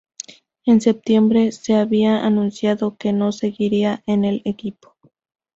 En septiembre se había anunciado que no seguiría en el equipo.